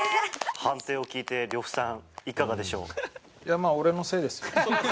判定を聞いて呂布さんいかがでしょう？